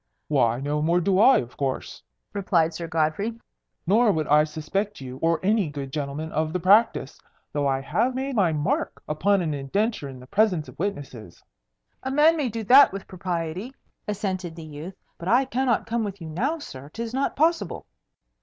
"Why no more do I, of course," replied Sir Godfrey; "nor would I suspect you or any good gentleman of the practice, though I have made my mark upon an indenture in the presence of witnesses." "A man may do that with propriety," assented the youth. "But I cannot come with you now, sir. 'Tis not possible."